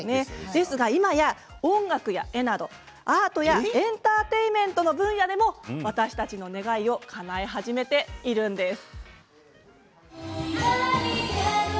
ですが今や音楽や絵などアートやエンターテインメントの分野でも私たちの願いや夢をかなえ始めているんです。